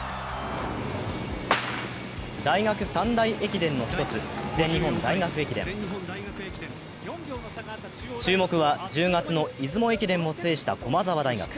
大学三大駅伝一つ、全日本大学駅伝注目は１０月の出雲駅伝も制した駒沢大学。